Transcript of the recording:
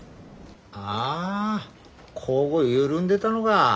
ああこご緩んでたのが。